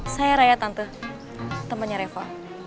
saya raya tante temannya reva